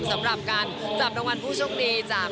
สำหรับการจับรางวัลผู้โชคดีจาก